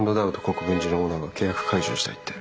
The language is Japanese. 国分寺のオーナーが契約解除したいって。